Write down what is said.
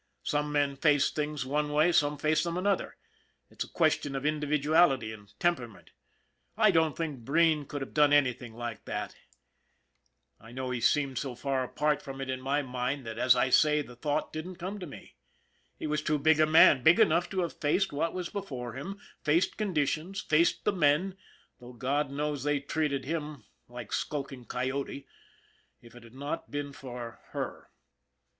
Some men face things one way, some face them another. It's a question of individuality and temperament. I don't think Breen could have done anything like that, I know he seemed 56 ON THE IRON AT BIG CLOUD so far apart from it in my mind that, as I say, the thought didn't come to me. He was too big a man, big enough to have faced what was before him, faced conditions, faced the men, though God knows they treated him like skulking coyote, if it had not been for her.